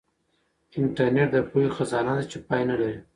انټرنیټ د پوهې خزانه ده چې پای نه لري.